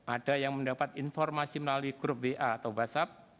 ada yang mendapat informasi melalui grup wa atau whatsapp